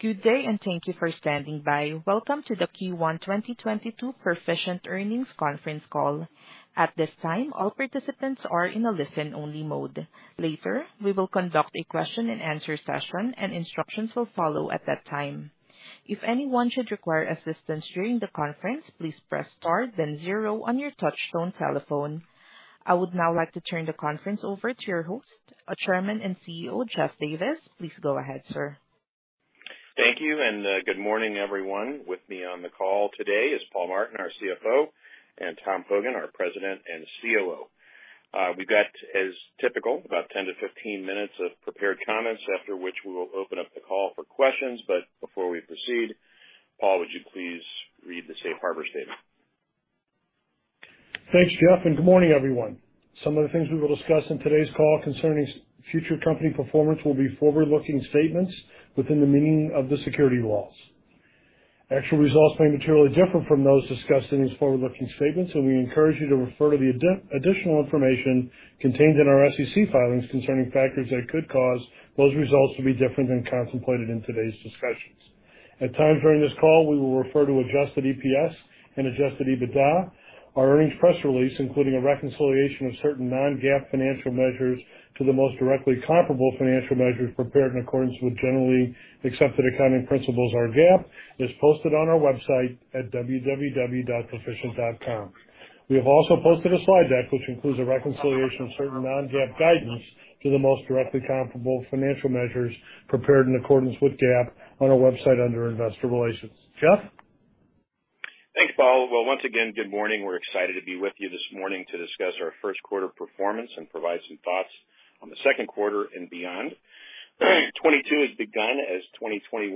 Good day, and thank you for standing by. Welcome to the Q1 2022 Perficient Earnings Conference Call. At this time, all participants are in a listen-only mode. Later, we will conduct a question-and-answer session, and instructions will follow at that time. If anyone should require assistance during the conference, please press star then zero on your touchtone telephone. I would now like to turn the conference over to your host, our Chairman and CEO, Jeff Davis. Please go ahead, sir. Thank you, and, good morning, everyone. With me on the call today is Paul Martin, our CFO, and Tom Hogan, our President and COO. We've got, as typical, about 10-15 minutes of prepared comments, after which we will open up the call for questions. Before we proceed, Paul, would you please read the safe harbor statement? Thanks, Jeff, and good morning, everyone. Some of the things we will discuss in today's call concerning our future company performance will be forward-looking statements within the meaning of the securities laws. Actual results may materially differ from those discussed in these forward-looking statements, and we encourage you to refer to the additional information contained in our SEC filings concerning factors that could cause those results to be different than contemplated in today's discussions. At times during this call, we will refer to adjusted EPS and adjusted EBITDA. Our earnings press release, including a reconciliation of certain non-GAAP financial measures to the most directly comparable financial measures prepared in accordance with generally accepted accounting principles, or GAAP, is posted on our website at www.perficient.com. We have also posted a slide deck which includes a reconciliation of certain non-GAAP guidance to the most directly comparable financial measures prepared in accordance with GAAP on our website under Investor Relations. Jeff? Thanks, Paul. Well, once again, good morning. We're excited to be with you this morning to discuss our first quarter performance and provide some thoughts on the second quarter and beyond. 2022 has begun as 2021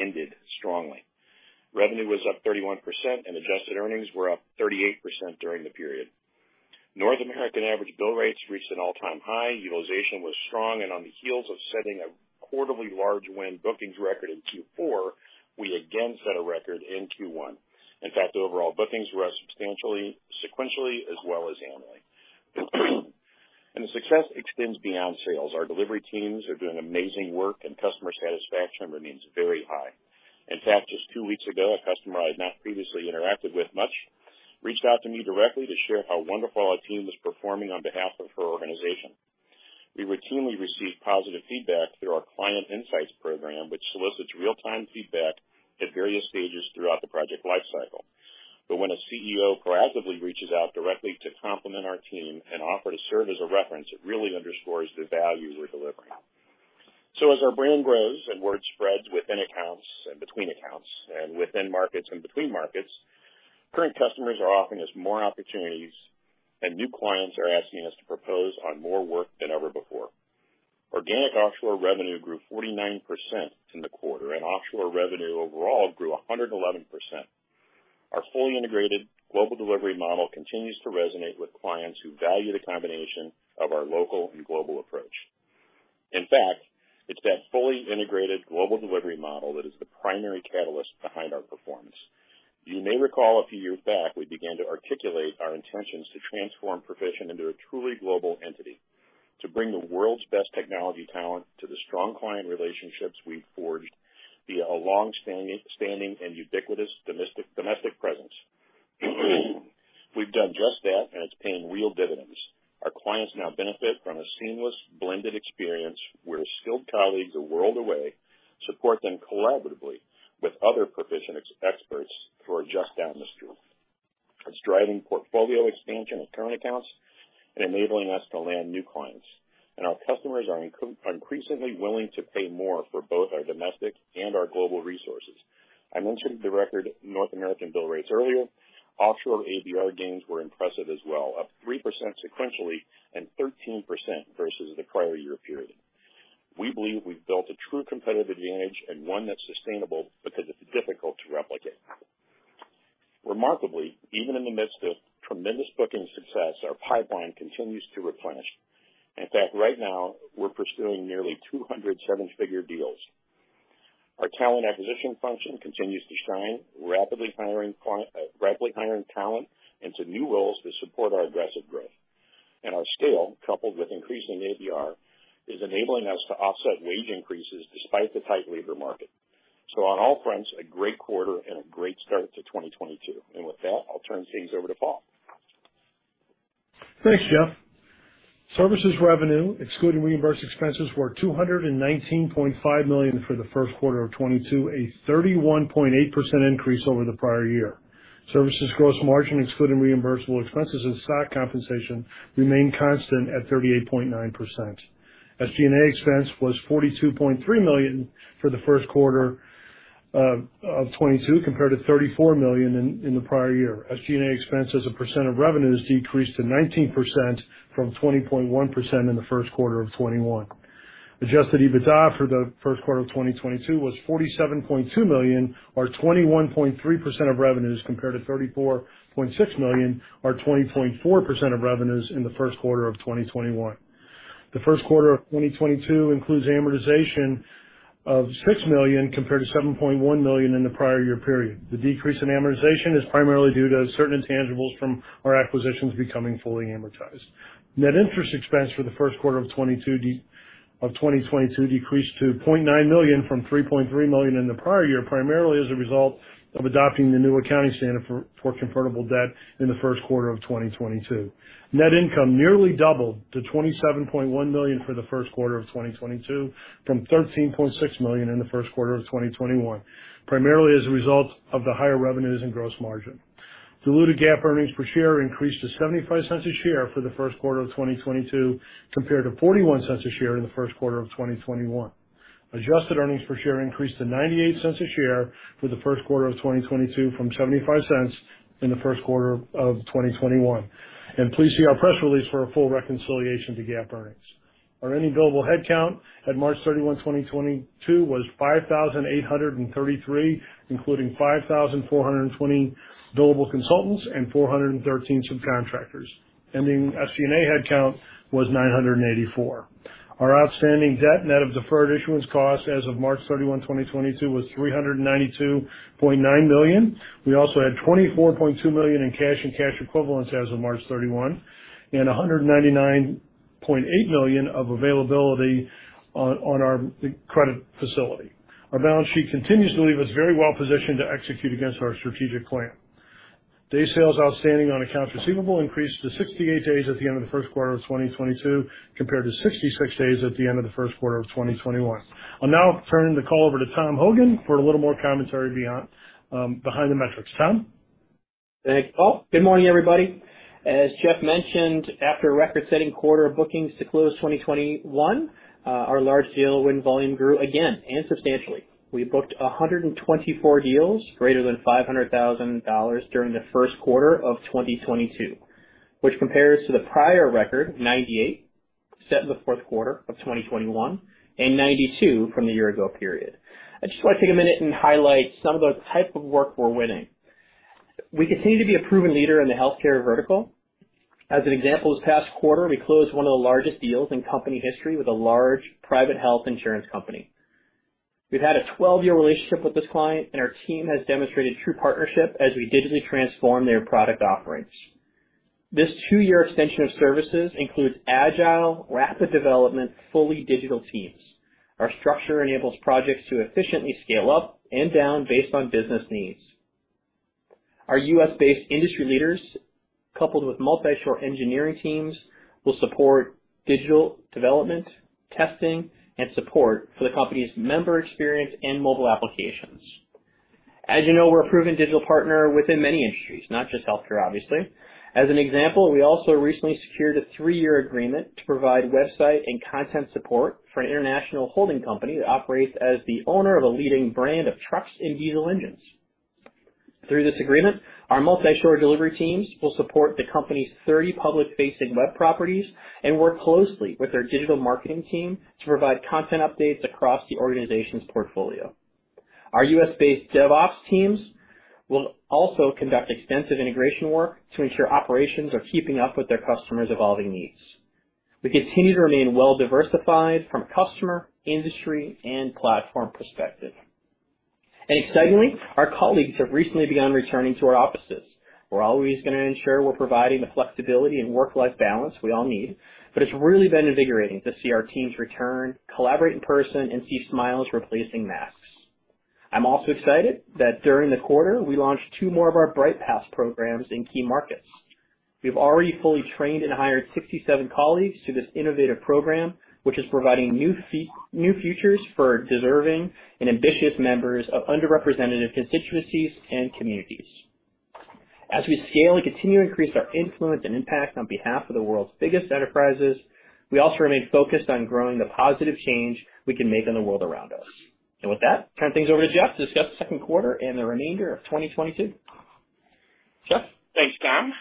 ended, strongly. Revenue was up 31% and adjusted earnings were up 38% during the period. North American average bill rates reached an all-time high. Utilization was strong. On the heels of setting a quarterly large win bookings record in Q4, we again set a record in Q1. In fact, overall bookings were up substantially sequentially as well as annually. The success extends beyond sales. Our delivery teams are doing amazing work, and customer satisfaction remains very high. In fact, just two weeks ago, a customer I had not previously interacted with much reached out to me directly to share how wonderful our team was performing on behalf of her organization. We routinely receive positive feedback through our Client Insights program, which solicits real-time feedback at various stages throughout the project life cycle. When a CEO proactively reaches out directly to compliment our team and offer to serve as a reference, it really underscores the value we're delivering. As our brand grows and word spreads within accounts and between accounts and within markets and between markets, current customers are offering us more opportunities and new clients are asking us to propose on more work than ever before. Organic offshore revenue grew 49% in the quarter, and offshore revenue overall grew 111%. Our fully integrated global delivery model continues to resonate with clients who value the combination of our local and global approach. In fact, it's that fully integrated global delivery model that is the primary catalyst behind our performance. You may recall a few years back, we began to articulate our intentions to transform Perficient into a truly global entity, to bring the world's best technology talent to the strong client relationships we've forged via a longstanding and ubiquitous domestic presence. We've done just that, and it's paying real dividends. Our clients now benefit from a seamless blended experience where skilled colleagues a world away support them collaboratively with other Perficient experts who are just down the street. It's driving portfolio expansion of current accounts and enabling us to land new clients. Our customers are increasingly willing to pay more for both our domestic and our global resources. I mentioned the record North American bill rates earlier. Offshore ABR gains were impressive as well, up 3% sequentially and 13% versus the prior year period. We believe we've built a true competitive advantage and one that's sustainable because it's difficult to replicate. Remarkably, even in the midst of tremendous booking success, our pipeline continues to replenish. In fact, right now, we're pursuing nearly 200 seven-figure deals. Our talent acquisition function continues to shine, rapidly hiring talent into new roles to support our aggressive growth. Our scale, coupled with increasing ABR, is enabling us to offset wage increases despite the tight labor market. On all fronts, a great quarter and a great start to 2022. With that, I'll turn things over to Paul. Thanks, Jeff. Services revenue, excluding reimbursed expenses, were $219.5 million for the first quarter of 2022, a 31.8% increase over the prior year. Services gross margin excluding reimbursable expenses and stock compensation remained constant at 38.9%. SG&A expense was $42.3 million for the first quarter of 2022 compared to $34 million in the prior year. SG&A expense as a percent of revenues decreased to 19% from 20.1% in the first quarter of 2021. Adjusted EBITDA for the first quarter of 2022 was $47.2 million, or 21.3% of revenues, compared to $34.6 million or 20.4% of revenues in the first quarter of 2021. The first quarter of 2022 includes amortization of $6 million compared to $7.1 million in the prior year period. The decrease in amortization is primarily due to certain intangibles from our acquisitions becoming fully amortized. Net interest expense for the first quarter of 2022 decreased to $0.9 million from $3.3 million in the prior year, primarily as a result of adopting the new accounting standard for convertible debt in the first quarter of 2022. Net income nearly doubled to $27.1 million for the first quarter of 2022 from $13.6 million in the first quarter of 2021, primarily as a result of the higher revenues and gross margin. Diluted GAAP earnings per share increased to $0.75 a share for the first quarter of 2022, compared to $0.41 a share in the first quarter of 2021. Adjusted earnings per share increased to $0.98 a share for the first quarter of 2022 from $0.75 in the first quarter of 2021. Please see our press release for a full reconciliation to GAAP earnings. Our ending billable headcount at March 31, 2022 was 5,833, including 5,420 billable consultants and 413 subcontractors. Ending SG&A headcount was 984. Our outstanding debt net of deferred issuance costs as of March 31, 2022 was $392.9 million. We also had $24.2 million in cash and cash equivalents as of March 31, and $199.8 million of availability on our credit facility. Our balance sheet continues to leave us very well positioned to execute against our strategic plan. Day sales outstanding on accounts receivable increased to 68 days at the end of the first quarter of 2022, compared to 66 days at the end of the first quarter of 2021. I'll now turn the call over to Tom Hogan for a little more commentary beyond, behind the metrics. Tom? Thanks, Paul. Good morning, everybody. As Jeff mentioned, after a record-setting quarter of bookings to close 2021, our large deal win volume grew again, and substantially. We booked 124 deals greater than $500,000 during the first quarter of 2022, which compares to the prior record, 98, set in the fourth quarter of 2021 and 92 from the year-ago period. I'd just like to take a minute and highlight some of the type of work we're winning. We continue to be a proven leader in the healthcare vertical. As an example, this past quarter we closed one of the largest deals in company history with a large private health insurance company. We've had a 12-year relationship with this client, and our team has demonstrated true partnership as we digitally transform their product offerings. This 2-year extension of services includes agile, rapid development, fully digital teams. Our structure enables projects to efficiently scale up and down based on business needs. Our U.S.-based industry leaders, coupled with multi-shore engineering teams, will support digital development, testing, and support for the company's member experience and mobile applications. As you know, we're a proven digital partner within many industries, not just healthcare, obviously. As an example, we also recently secured a 3-year agreement to provide website and content support for an international holding company that operates as the owner of a leading brand of trucks and diesel engines. Through this agreement, our multi-shore delivery teams will support the company's 30 public-facing web properties and work closely with their digital marketing team to provide content updates across the organization's portfolio. Our US-based DevOps teams will also conduct extensive integration work to ensure operations are keeping up with their customers' evolving needs. We continue to remain well-diversified from a customer, industry, and platform perspective. Excitingly, our colleagues have recently begun returning to our offices. We're always gonna ensure we're providing the flexibility and work-life balance we all need, but it's really been invigorating to see our teams return, collaborate in person, and see smiles replacing masks. I'm also excited that during the quarter, we launched two more of our BrightPaths programs in key markets. We've already fully trained and hired 67 colleagues through this innovative program, which is providing new futures for deserving and ambitious members of underrepresented constituencies and communities. As we scale and continue to increase our influence and impact on behalf of the world's biggest enterprises, we also remain focused on growing the positive change we can make in the world around us. With that, turn things over to Jeff to discuss the second quarter and the remainder of 2022. Jeff? Thanks, Tom.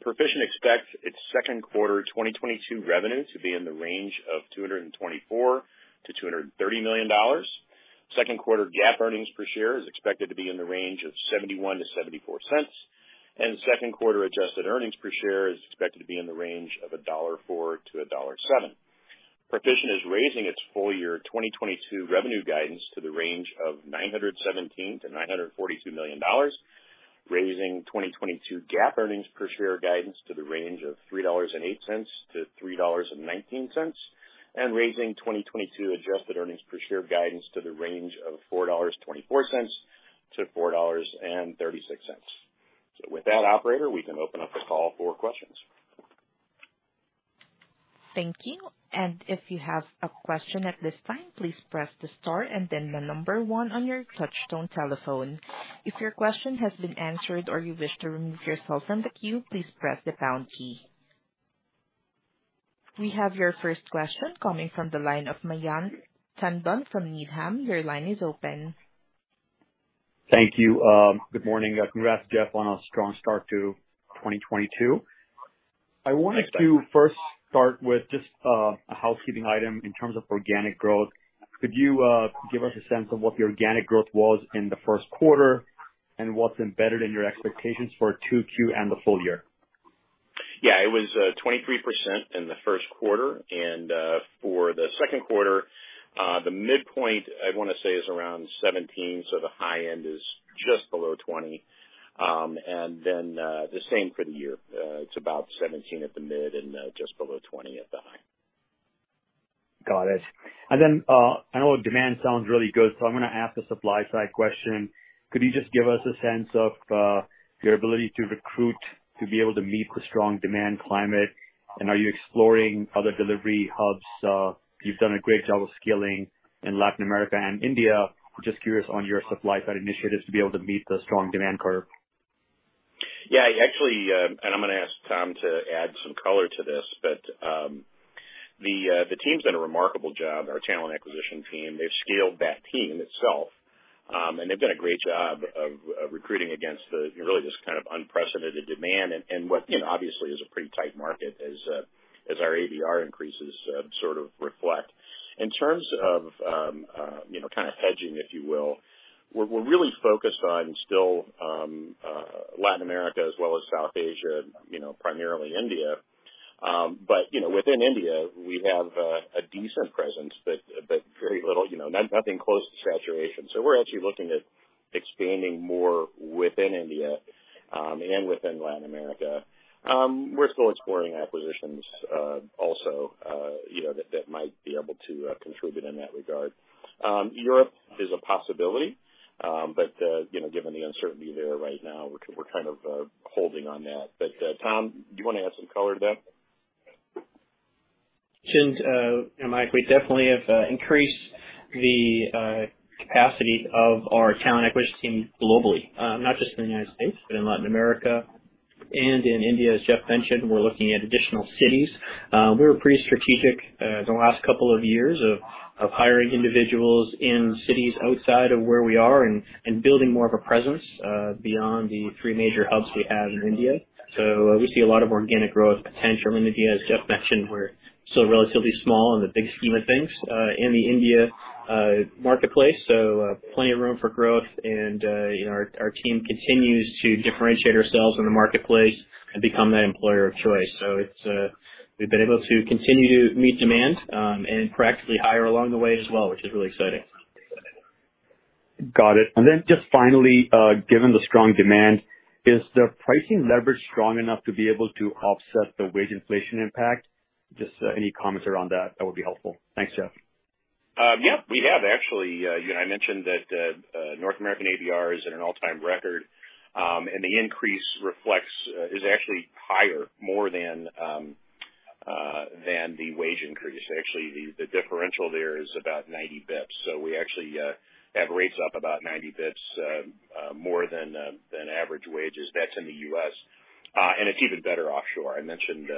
Perficient expects its second quarter 2022 revenue to be in the range of $224 million-$230 million. Second quarter GAAP earnings per share is expected to be in the range of $0.71-$0.74, and second quarter adjusted earnings per share is expected to be in the range of $1.04-$1.07. Perficient is raising its full year 2022 revenue guidance to the range of $917 million-$942 million, raising 2022 GAAP earnings per share guidance to the range of $3.08-$3.19, and raising 2022 adjusted earnings per share guidance to the range of $4.24-$4.36. With that, operator, we can open up the call for questions. Thank you. If you have a question at this time, please press the star and then the number one on your touchtone telephone. If your question has been answered or you wish to remove yourself from the queue, please press the pound key. We have your first question coming from the line of Mayank Tandon from Needham. Your line is open. Thank you. Good morning. Congrats, Jeff, on a strong start to 2022. I wanted to first start with just a housekeeping item in terms of organic growth. Could you give us a sense of what the organic growth was in the first quarter? What's embedded in your expectations for 2Q and the full year? Yeah, it was 23% in the first quarter. For the second quarter, the midpoint I wanna say is around 17, so the high end is just below 20. The same for the year. It's about 17 at the mid and just below 20 at the high. Got it. I know demand sounds really good, so I'm gonna ask a supply side question. Could you just give us a sense of your ability to recruit to be able to meet the strong demand climate? Are you exploring other delivery hubs? You've done a great job of scaling in Latin America and India. We're just curious on your supply side initiatives to be able to meet the strong demand curve. Yeah, actually, I'm gonna ask Tom to add some color to this, but the team's done a remarkable job, our talent acquisition team. They've scaled that team itself, and they've done a great job of recruiting against the, you know, really just kind of unprecedented demand and what, you know, obviously is a pretty tight market as our ABR increases sort of reflect. In terms of you know, kind of hedging, if you will, we're really focused on still Latin America as well as South Asia and, you know, primarily India. You know, within India, we have a decent presence but very little, you know, nothing close to saturation. We're actually looking at expanding more within India and within Latin America. We're still exploring acquisitions, also, you know, that might be able to contribute in that regard. Europe is a possibility, but you know, given the uncertainty there right now, we're kind of holding on that. Tom, do you wanna add some color to that? Since you know, Mike, we definitely have increased the capacity of our talent acquisition team globally, not just in the United States, but in Latin America and in India. As Jeff mentioned, we're looking at additional cities. We were pretty strategic the last couple of years of hiring individuals in cities outside of where we are and building more of a presence beyond the three major hubs we have in India. We see a lot of organic growth potential in India. As Jeff mentioned, we're still relatively small in the big scheme of things in the India marketplace, so plenty of room for growth. You know, our team continues to differentiate ourselves in the marketplace and become that employer of choice. We've been able to continue to meet demand, and practically hire along the way as well, which is really exciting. Got it. Just finally, given the strong demand, is the pricing leverage strong enough to be able to offset the wage inflation impact? Just, any comments around that would be helpful. Thanks, Jeff. Yeah, we have actually. You know, I mentioned that North American ABR is at an all-time record, and the increase is actually higher, more than the wage increase. Actually, the differential there is about 90 basis points. We actually have rates up about 90 basis points more than average wages. That's in the U.S., and it's even better offshore. I mentioned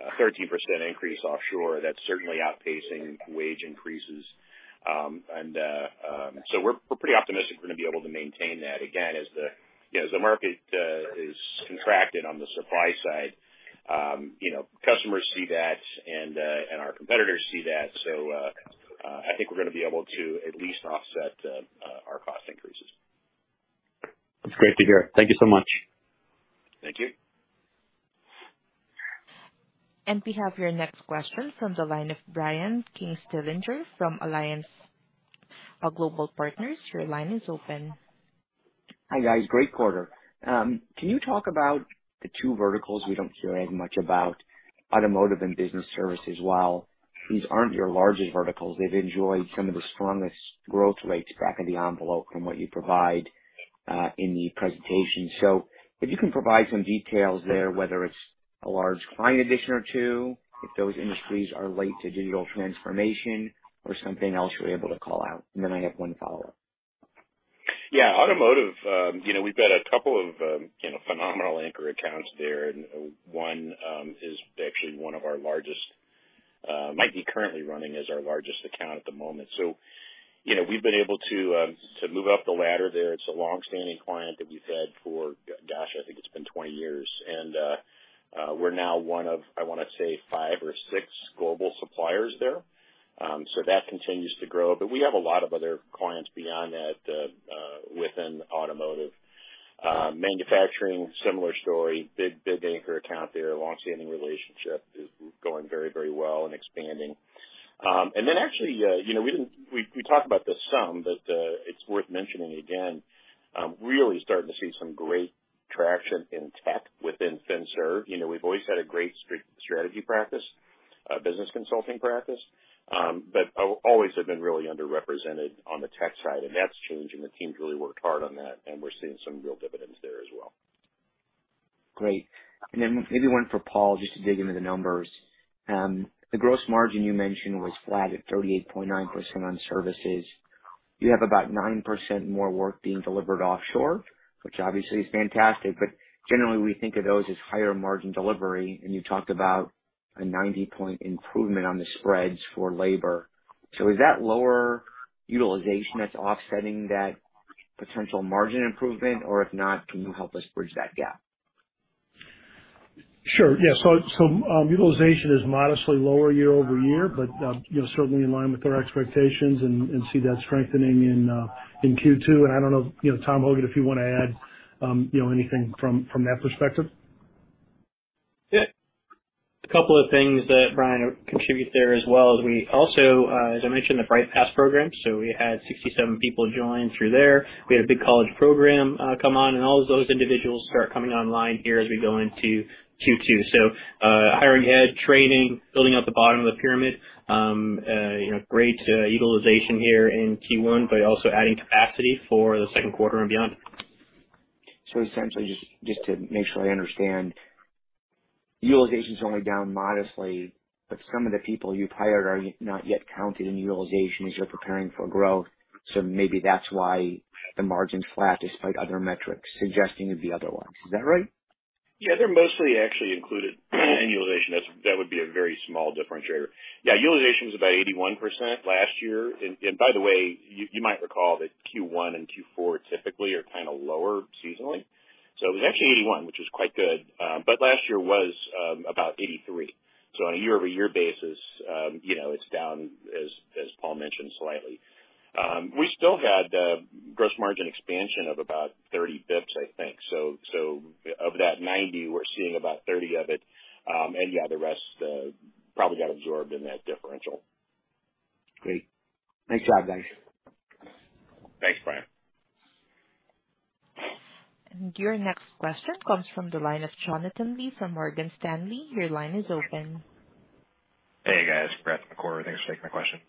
a 13% increase offshore. That's certainly outpacing wage increases. We're pretty optimistic we're gonna be able to maintain that. Again, as you know, as the market is contracted on the supply side, you know, customers see that and our competitors see that. I think we're gonna be able to at least offset our cost increases. That's great to hear. Thank you so much. Thank you. We have your next question from the line of Brian Kinstlinger from Alliance Global Partners. Your line is open. Hi, guys. Great quarter. Can you talk about the two verticals we don't hear as much about, automotive and business services? While these aren't your largest verticals, they've enjoyed some of the strongest growth rates back of the envelope from what you provide in the presentation. If you can provide some details there, whether it's a large client addition or two, if those industries are linked to digital transformation or something else you're able to call out. I have one follow-up. Yeah. Automotive, you know, we've got a couple of, you know, phenomenal anchor accounts there. One is actually one of our largest, might be currently running as our largest account at the moment. You know, we've been able to move up the ladder there. It's a long-standing client that we've had for, gosh, I think it's been 20 years. We're now one of, I wanna say, five or six global suppliers there. That continues to grow. We have a lot of other clients beyond that within automotive. Manufacturing, similar story, big anchor account there. Long-standing relationship is going very well and expanding. Actually, you know, we talked about this some, but it's worth mentioning again, really starting to see some great traction in tech within FinServ. You know, we've always had a great strategy practice, business consulting practice, but always have been really underrepresented on the tech side, and that's changing. The team's really worked hard on that, and we're seeing some real dividends there as well. Great. Maybe one for Paul, just to dig into the numbers. The gross margin you mentioned was flat at 38.9% on services. You have about 9% more work being delivered offshore, which obviously is fantastic, but generally we think of those as higher margin delivery. You talked about a 90-point improvement on the spreads for labor. Is that lower utilization that's offsetting that potential margin improvement? Or if not, can you help us bridge that gap? Sure. Yeah. Utilization is modestly lower year-over-year, but you know, certainly in line with our expectations and see that strengthening in Q2. I don't know, you know, Tom Hogan, if you wanna add you know, anything from that perspective. Yeah. A couple of things that Brian contribute there as well, is we also, as I mentioned, the BrightPaths program, so we had 67 people join through there. We had a big college program, come on, and all of those individuals start coming online here as we go into Q2. Hiring ahead, training, building out the bottom of the pyramid, you know, great utilization here in Q1, but also adding capacity for the second quarter and beyond. Essentially, just to make sure I understand. Utilization's only down modestly, but some of the people you've hired are not yet counted in utilization as you're preparing for growth. Maybe that's why the margin's flat despite other metrics suggesting it'd be otherwise. Is that right? Yeah, they're mostly actually included in utilization. That would be a very small differentiator. Yeah, utilization was about 81% last year. By the way, you might recall that Q1 and Q4 typically are kinda lower seasonally. It was actually 81%, which is quite good. Last year was about 83%. On a year-over-year basis, you know, it's down as Paul mentioned, slightly. We still had gross margin expansion of about 30 basis points, I think. Of that 90, we're seeing about 30 of it. Yeah, the rest probably got absorbed in that differential. Great. Thanks a lot, guys. Thanks, Brian. Your next question comes from the line of Jonathan Lee from Morgan Stanley. Your line is open. Hey, guys. Brad on the call, thanks for taking the question.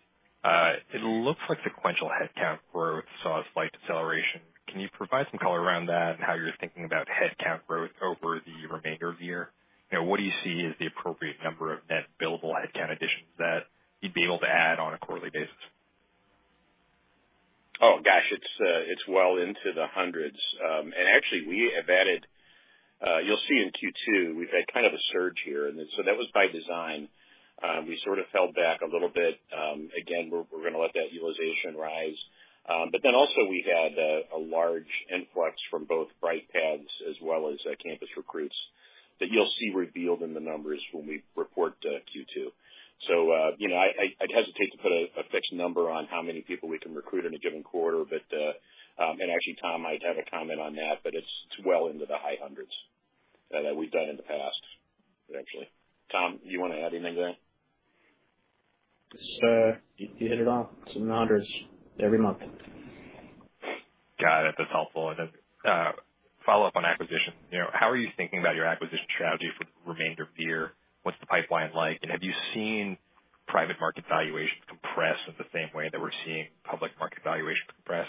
It looks like sequential headcount growth saw a slight deceleration. Can you provide some color around that and how you're thinking about headcount growth over the remainder of the year? You know, what do you see as the appropriate number of net billable headcount additions that you'd be able to add on a quarterly basis? It's well into the hundreds. Actually we have added, you'll see in Q2, we've had kind of a surge here, so that was by design. We sort of held back a little bit. Again, we're gonna let that utilization rise. Then also we had a large influx from both BrightPaths as well as campus recruits that you'll see revealed in the numbers when we report Q2. You know, I'd hesitate to put a fixed number on how many people we can recruit in a given quarter, but actually, Tom might have a comment on that, but it's well into the high hundreds that we've done in the past, eventually. Tom, you wanna add anything there? Just, you hit it on. It's in the hundreds every month. Got it. That's helpful. Follow up on acquisition. You know, how are you thinking about your acquisition strategy for the remainder of the year? What's the pipeline like, and have you seen private market valuation compress the same way that we're seeing public market valuation compress?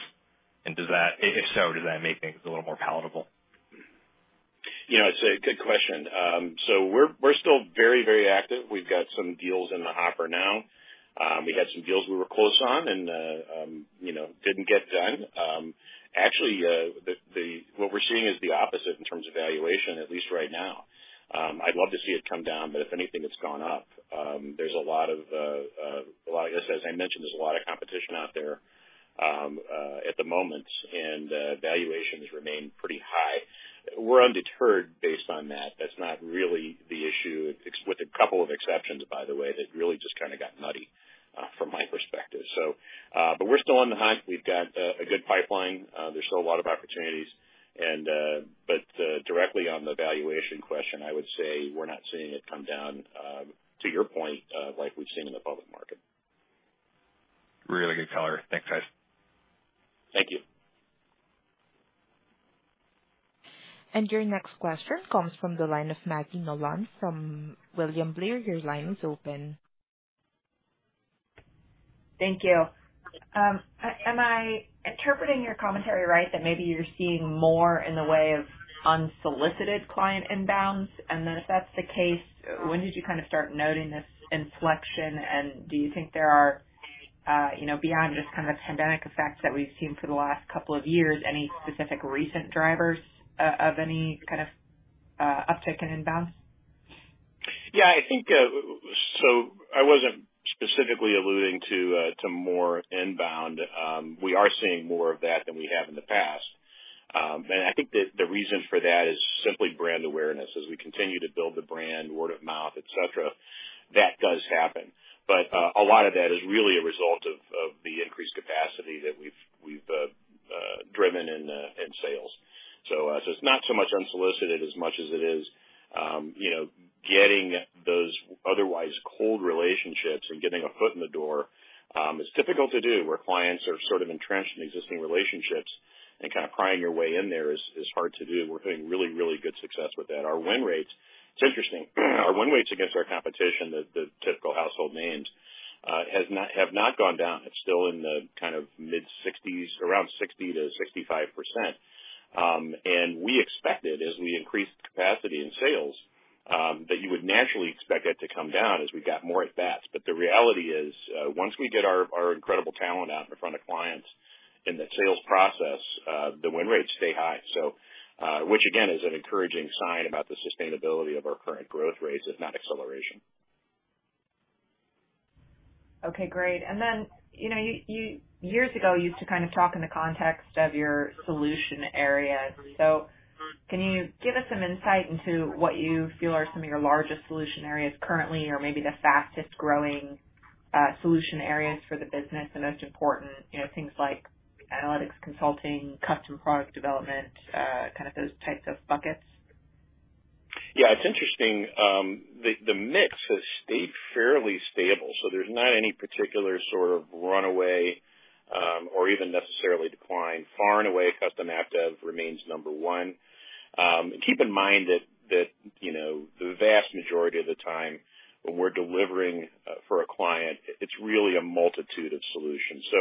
If so, does that make things a little more palatable? You know, it's a good question. So we're still very active. We've got some deals in the hopper now. We had some deals we were close on and, you know, didn't get done. Actually, what we're seeing is the opposite in terms of valuation, at least right now. I'd love to see it come down, but if anything, it's gone up. There's a lot of this, as I mentioned. There's a lot of competition out there at the moment, and valuations remain pretty high. We're undeterred based on that. That's not really the issue, with a couple of exceptions, by the way, that really just kinda got nutty from my perspective. We're still on the hunt. We've got a good pipeline. There's still a lot of opportunities. Directly on the valuation question, I would say we're not seeing it come down, to your point, like we've seen in the public market. Really good color. Thanks, guys. Thank you. Your next question comes from the line of Maggie Nolan from William Blair. Your line is open. Thank you. Am I interpreting your commentary right? That maybe you're seeing more in the way of unsolicited client inbounds? If that's the case, when did you kind of start noting this inflection? Do you think there are, you know, beyond just kind of pandemic effects that we've seen for the last couple of years, any specific recent drivers of any kind of uptick in inbounds? Yeah, I think I wasn't specifically alluding to more inbound. We are seeing more of that than we have in the past. I think that the reason for that is simply brand awareness. As we continue to build the brand, word of mouth, et cetera, that does happen. A lot of that is really a result of the increased capacity that we've driven in sales. It's not so much unsolicited as much as it is, you know, getting those otherwise cold relationships and getting a foot in the door. It's difficult to do where clients are sort of entrenched in existing relationships and kind of prying your way in there is hard to do. We're having really good success with that. Our win rates, it's interesting. Our win rates against our competition, the typical household names, have not gone down. It's still in the kind of mid-sixties, around 60%-65%. We expected as we increased capacity in sales, that you would naturally expect that to come down as we got more at bats. The reality is, once we get our incredible talent out in front of clients in the sales process, the win rates stay high. Which again, is an encouraging sign about the sustainability of our current growth rates, if not acceleration. Okay, great. Then, you know, years ago, you used to kind of talk in the context of your solution areas. Can you give us some insight into what you feel are some of your largest solution areas currently, or maybe the fastest-growing solution areas for the business, the most important? You know, things like analytics, consulting, custom product development, kind of those types of buckets. Yeah, it's interesting. The mix has stayed fairly stable, so there's not any particular sort of runaway or even necessarily decline. Far and away, custom app dev remains number one. Keep in mind that, you know, the vast majority of the time when we're delivering for a client, it's really a multitude of solutions. So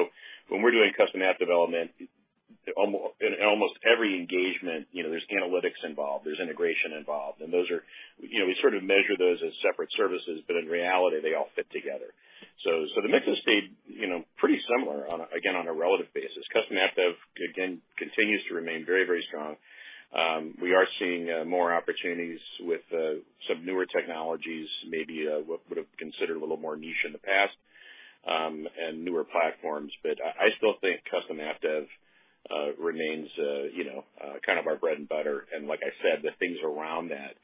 when we're doing custom app development, in almost every engagement, you know, there's analytics involved, there's integration involved, and those are. You know, we sort of measure those as separate services, but in reality they all fit together. So the mix has stayed, you know, pretty similar on a, again, on a relative basis. Custom app dev, again, continues to remain very, very strong. We are seeing more opportunities with some newer technologies, maybe what would've considered a little more niche in the past, and newer platforms. I still think custom app dev remains, you know, kind of our bread and butter. Like I said, the things around that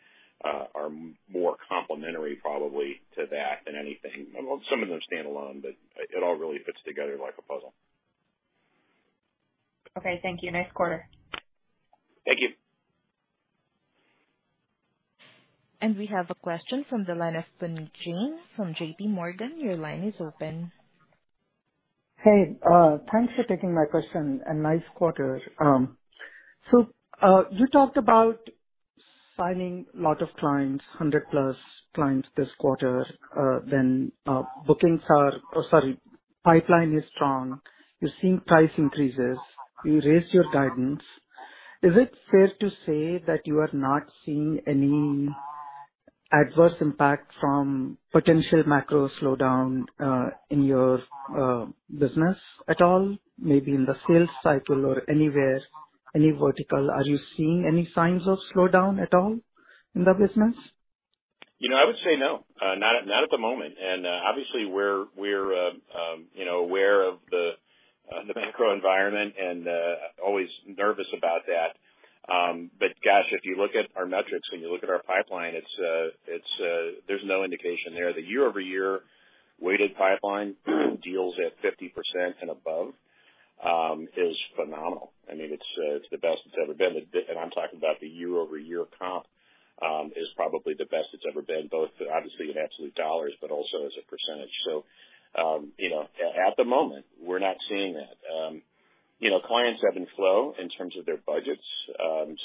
are more complementary probably to that than anything. Well, some of them stand alone, but it all really fits together like a puzzle. Okay. Thank you. Nice quarter. Thank you. We have a question from the line of Puneet Jain from J.P. Morgan. Your line is open. Hey, thanks for taking my question. Nice quarter. You talked about signing a lot of clients, 100 plus clients this quarter. Pipeline is strong. You're seeing price increases. You raised your guidance. Is it fair to say that you are not seeing any adverse impact from potential macro slowdown in your business at all? Maybe in the sales cycle or anywhere, any vertical. Are you seeing any signs of slowdown at all in the business? You know, I would say no. Not at the moment. Obviously we're you know, aware of the macro environment and always nervous about that. But gosh, if you look at our metrics and you look at our pipeline, there's no indication there. The year-over-year weighted pipeline deals at 50% and above is phenomenal. I mean, it's the best it's ever been. I'm talking about the year-over-year comp is probably the best it's ever been, both obviously in absolute dollars, but also as a percentage. You know, at the moment, we're not seeing that. You know, clients ebb and flow in terms of their budgets.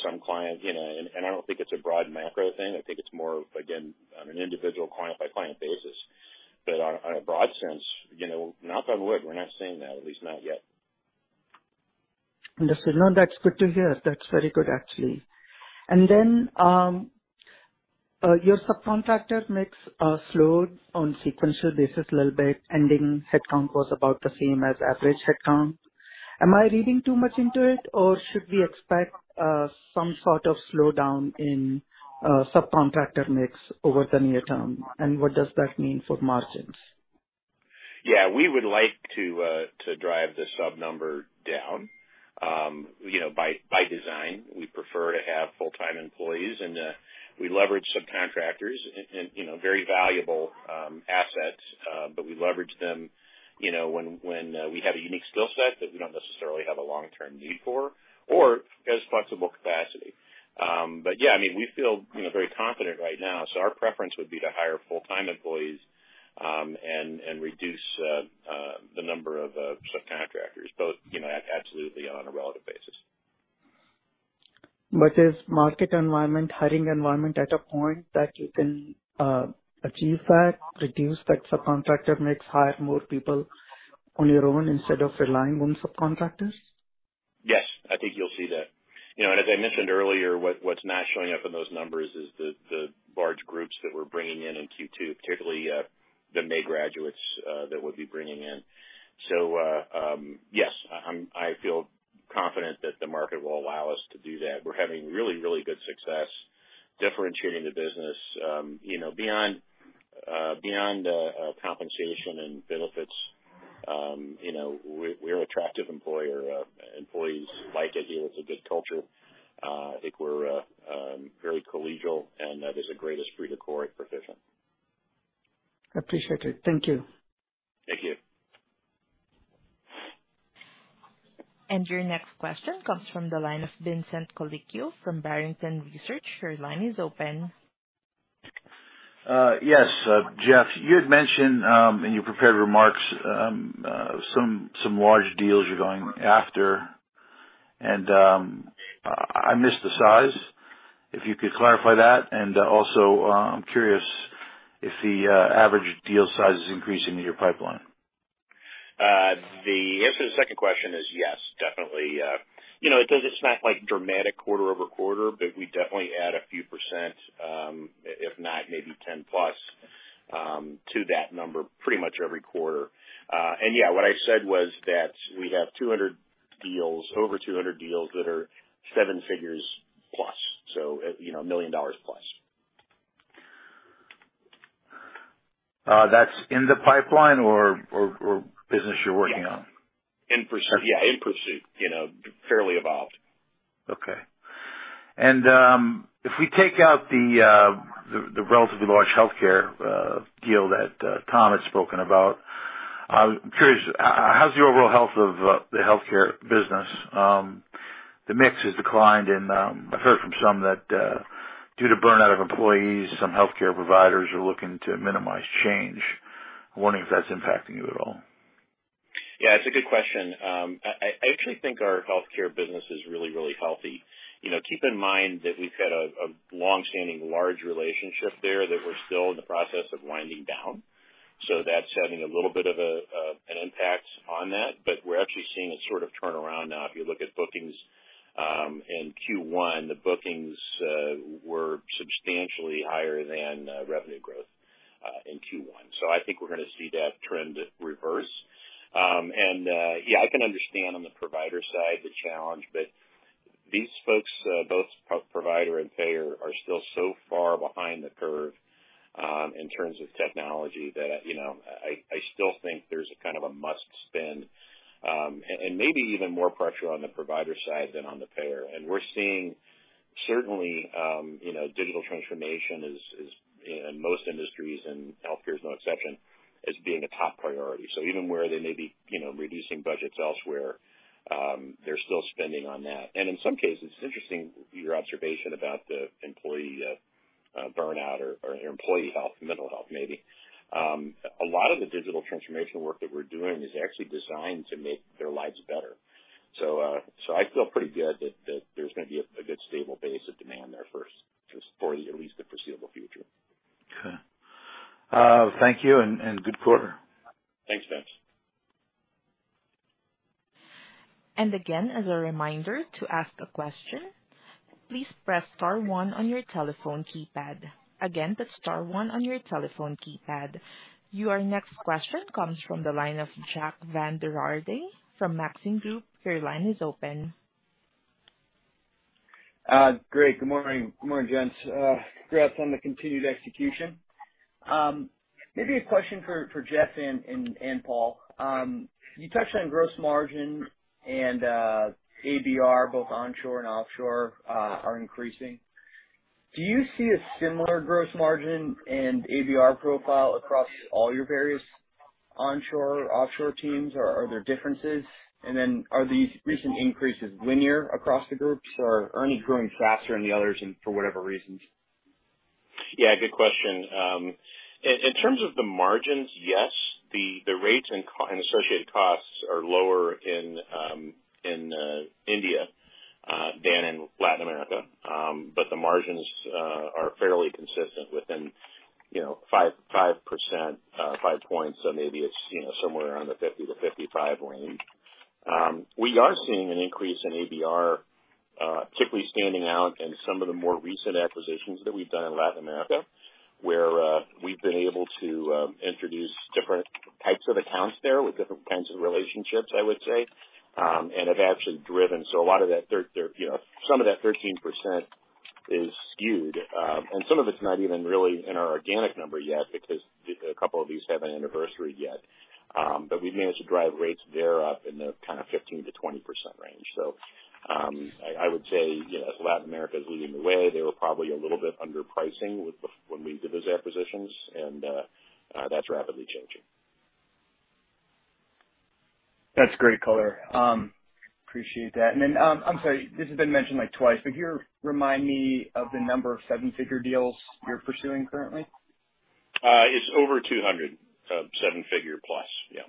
Some client, you know, and I don't think it's a broad macro thing. I think it's more, again, on an individual client-by-client basis. On a broad sense, you know, knock on wood, we're not seeing that, at least not yet. Understood. No, that's good to hear. That's very good, actually. Your subcontractor mix slowed on sequential basis a little bit. Ending headcount was about the same as average headcount. Am I reading too much into it or should we expect some sort of slowdown in subcontractor mix over the near term, and what does that mean for margins? Yeah. We would like to drive the sub number down. You know, by design, we prefer to have full-time employees. We leverage subcontractors and, you know, very valuable assets. We leverage them, you know, when we have a unique skill set that we don't necessarily have a long-term need for or as flexible capacity. Yeah, I mean, we feel, you know, very confident right now. Our preference would be to hire full-time employees and reduce the number of subcontractors both, you know, absolutely on a relative basis. Is market environment, hiring environment at a point that you can achieve that, reduce that subcontractor mix, hire more people on your own instead of relying on subcontractors? Yes, I think you'll see that. You know, as I mentioned earlier, what's not showing up in those numbers is the large groups that we're bringing in in Q2, particularly the May graduates that we'll be bringing in. I feel confident that the market will allow us to do that. We're having really good success differentiating the business. You know, beyond compensation and benefits, you know, we're an attractive employer. Employees like it here. It's a good culture. I think we're very collegial, and that is a great esprit de corps at Perficient. Appreciate it. Thank you. Thank you. Your next question comes from the line of Vincent Colicchio from Barrington Research. Your line is open. Yes, Jeff, you had mentioned in your prepared remarks some large deals you're going after and I missed the size, if you could clarify that. Also, I'm curious if the average deal size is increasing in your pipeline. The answer to the second question is yes, definitely. You know, it doesn't snap like dramatic quarter-over-quarter, but we definitely add a few %, if not, maybe 10+, to that number pretty much every quarter. Yeah, what I said was that we have 200 deals, over 200 deals that are seven figures plus. You know, $1 million plus. That's in the pipeline or business you're working on? Yes. In pursuit, you know, fairly evolved. Okay. If we take out the relatively large healthcare deal that Tom had spoken about, I'm curious, how's the overall health of the healthcare business? The mix has declined and I've heard from some that due to burnout of employees, some healthcare providers are looking to minimize change. I'm wondering if that's impacting you at all. Yeah, it's a good question. I actually think our healthcare business is really healthy. You know, keep in mind that we've had a long-standing large relationship there that we're still in the process of winding down. That's having a little bit of an impact on that. We're actually seeing a sort of turnaround now. If you look at bookings in Q1, the bookings were substantially higher than revenue growth in Q1. I think we're gonna see that trend reverse. Yeah, I can understand on the provider side the challenge, but these folks, both provider and payer, are still so far behind the curve in terms of technology that, you know, I still think there's a kind of a must spend, and maybe even more pressure on the provider side than on the payer. We're seeing certainly, you know, digital transformation is in most industries, and healthcare is no exception, as being a top priority. Even where they may be, you know, reducing budgets elsewhere, they're still spending on that. In some cases, it's interesting your observation about the employee burnout or employee health, mental health maybe. A lot of the digital transformation work that we're doing is actually designed to make their lives better. I feel pretty good that there's gonna be a good stable base of demand there for us for at least the foreseeable future. Okay. Thank you and good quarter. Thanks, Vince. Again, as a reminder, to ask a question, please press star one on your telephone keypad. Again, that's star one on your telephone keypad. Your next question comes from the line of Jack Vander Aarde from Maxim Group. Your line is open. Great. Good morning. Good morning, gents. Congrats on the continued execution. Maybe a question for Jeff and Paul. You touched on gross margin and ABR, both onshore and offshore, are increasing. Do you see a similar gross margin and ABR profile across all your various onshore-offshore teams, or are there differences? Are these recent increases linear across the groups, or are any growing faster than the others and for whatever reasons? Yeah, good question. In terms of the margins, yes, the rates and associated costs are lower in India than in Latin America. The margins are fairly consistent within, you know, 5%, 5 points. Maybe it's, you know, somewhere around the 50-55 range. We are seeing an increase in ABR, particularly standing out in some of the more recent acquisitions that we've done in Latin America, where we've been able to introduce different types of accounts there with different kinds of relationships, I would say. And have actually driven. A lot of that, you know, some of that 13% is skewed, and some of it's not even really in our organic number yet because a couple of these haven't anniversaried yet. We've managed to drive rates there up in the kind of 15%-20% range. I would say, you know, Latin America is leading the way. They were probably a little bit underpricing when we did those acquisitions and that's rapidly changing. That's great color. Appreciate that. I'm sorry, this has been mentioned like twice, but can you remind me of the number of seven-figure deals you're pursuing currently? It's over 200, 7-figure plus. Yeah.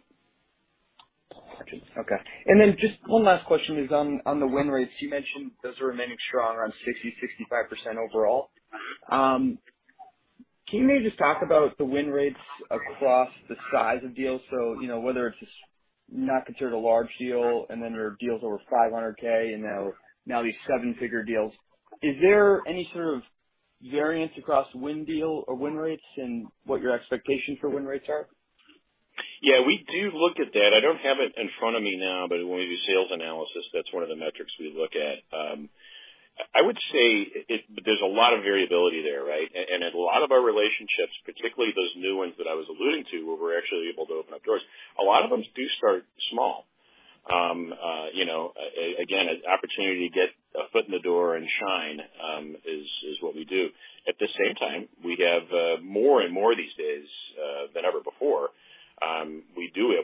Gotcha. Okay. Just one last question is on the win rates. You mentioned those are remaining strong around 60%-65% overall. Can you maybe just talk about the win rates across the size of deals? You know, whether it's not considered a large deal and then there are deals over $500K and now these seven-figure deals. Is there any sort of variance across win deal or win rates and what your expectations for win rates are? Yeah, we do look at that. I don't have it in front of me now, but when we do sales analysis, that's one of the metrics we look at. I would say it, there's a lot of variability there, right? And a lot of our relationships, particularly those new ones that I was alluding to, where we're actually able to open up doors, a lot of them do start small. You know, again, an opportunity to get a foot in the door and shine, is what we do. At the same time, we have more and more these days than ever before,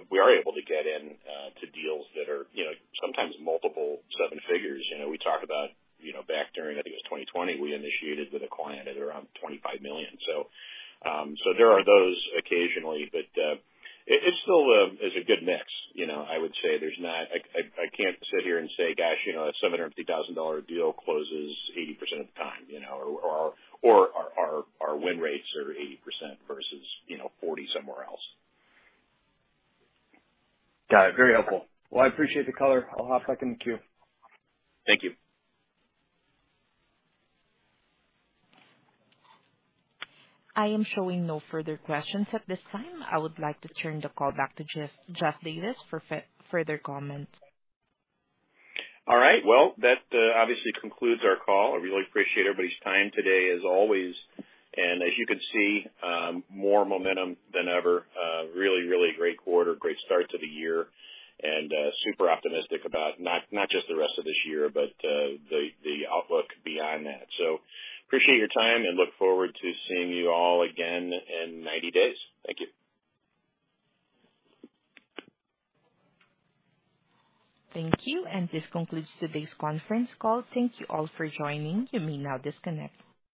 we are able to get in to deals that are, you know, sometimes multiple seven figures. You know, we talk about, you know, back during, I think it was 2020, we initiated with a client at around $25 million. There are those occasionally, but it still is a good mix. You know, I would say there's not. I can't sit here and say, "Gosh, you know, a $700,000 deal closes 80% of the time," you know. Our win rates are 80% versus, you know, 40% somewhere else. Got it. Very helpful. Well, I appreciate the color. I'll hop back in the queue. Thank you. I am showing no further questions at this time. I would like to turn the call back to Jeff Davis for further comment. All right. Well, that obviously concludes our call. I really appreciate everybody's time today as always. As you can see, more momentum than ever. Really great quarter, great start to the year and super optimistic about not just the rest of this year, but the outlook beyond that. Appreciate your time and look forward to seeing you all again in 90 days. Thank you. Thank you. This concludes today's conference call. Thank you all for joining. You may now disconnect.